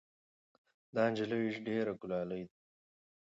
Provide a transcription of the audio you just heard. دا نجلۍ ډېره ګلالۍ ده.